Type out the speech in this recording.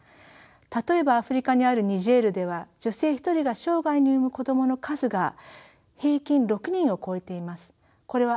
例えばアフリカにあるニジェールでは女性一人が生涯に産む子供の数が平均６人を超えています。